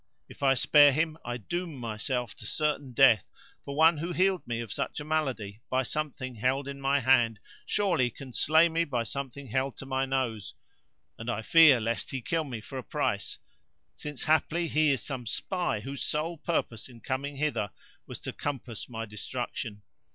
If I spare him, I doom myself to certain death; for one who healed me of such a malady by something held in my hand, surely can slay me by something held to my nose; and I fear lest he kill me for a price, since haply he is some spy whose sole purpose in coming hither was to compass my destruction.